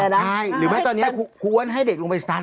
ใช่หรือแม้ตอนนี้คุณควรให้เด็กลงไปสตาร์ท